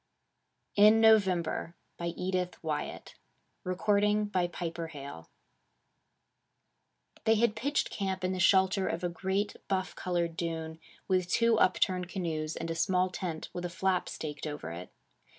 IN NOVEMBER BY EDITH WYATT THEY had pitched camp in the shelter of a great buff colored dune, with two up turned canoes, and a small tent with a flap staked over it.